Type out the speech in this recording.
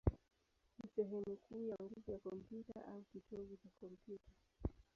ni sehemu kuu ya nguvu ya kompyuta, au kitovu cha kompyuta.